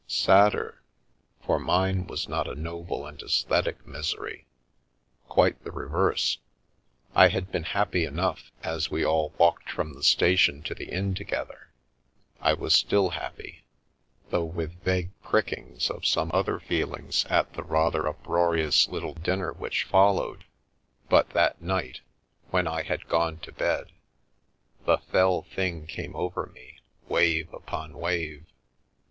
Sad der, for mine was not a noble and aesthetic misery— quite the reverse. I had been happy enough as we all walked from the station to the inn together, I was still happy, though with vague prickings of some other feelings, at 297 The Milky Way the rather uproarious little dinner which followed, but that night, when I had gone to bed, the fell thing came over me, wave upon wave.